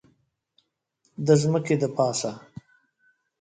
د ځمکې دپاسه